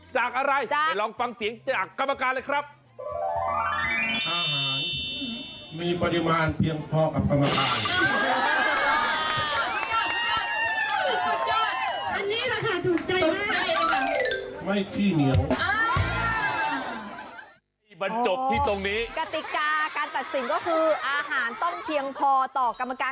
จากอะไรลองฟังเสียงจากกรรมการก่อนเลยครับค่ะ